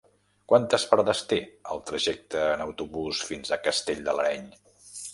Quantes parades té el trajecte en autobús fins a Castell de l'Areny?